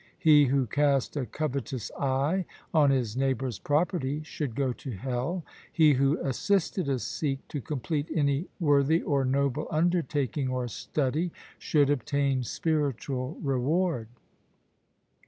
He who cast a covetous eye on his neighbour's property should go to hell. He who assisted a Sikh to complete any worthy or noble undertaking or study, should obtain spiritual reward.